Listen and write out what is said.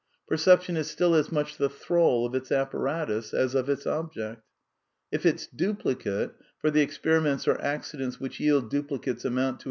Perception is still as much the thrall of its apparatus as of its object. If its duplicate — for the ex ty^/V periments or accidents which yield duplicates amount to /\